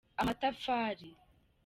amatafari.